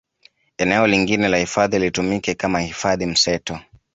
Eneo lingine la hifadhi litumike kama hifadhi mseto